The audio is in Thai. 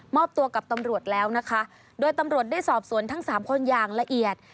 ตัวกับตำรวจแล้วนะคะโดยตำรวจได้สอบสวนทั้งสามคนอย่างละเอียด